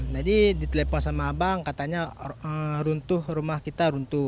jadi ditelepon sama abang katanya rumah kita runtuh